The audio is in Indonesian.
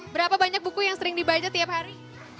berapa banyak buku yang sering dibaca tiap hari